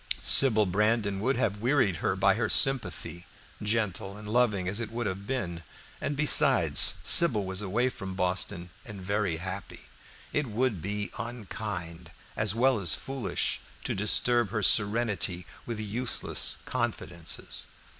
Sybil Brandon would have wearied her by her sympathy, gentle and loving as it would have been; and besides, Sybil was away from Boston and very happy; it would be unkind, as well as foolish, to disturb her serenity with useless confidences.